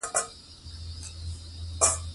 اوبزین معدنونه د افغانستان د طبیعي پدیدو یو رنګ دی.